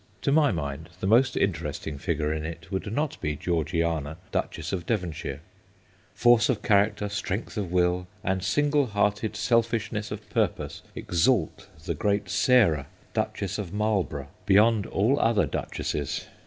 To my mind, the most interesting figure in it would not be Georgiana, Duchess of Devon shire. Force of character, strength of will, and single hearted selfishness of purpose 30 THE GHOSTS OF PICCADILLY exalt the great Sarah, Duchess of Marl borough, beyond all other duchesses.